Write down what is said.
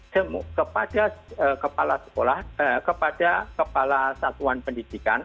kepada kepala sekolah kepada kepala satuan pendidikan